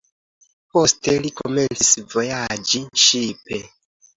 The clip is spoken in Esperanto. Poste li komencis vojaĝi ŝipe.